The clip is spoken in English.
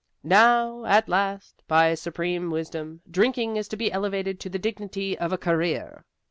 Now, at last, by supreme wisdom, drinking is to be elevated to the dignity of a career.